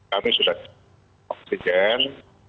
kami sudah oksigen